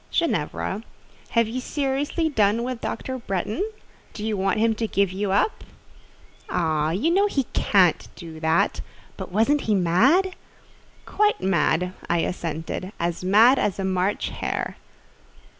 "Ginevra, have you seriously done with Dr. Bretton? Do you want him to give you up?" "Oh! you know he can't do that: but wasn't he mad?" "Quite mad," I assented; "as mad as a March hare."